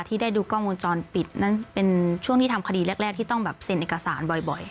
ที่ได้ดูกล้องวงจรปิดนั่นเป็นช่วงที่ทำคดีแรกที่ต้องแบบเซ็นเอกสารบ่อย